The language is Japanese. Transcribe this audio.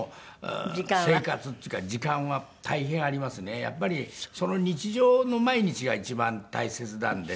やっぱりその日常の毎日が一番大切なんでね。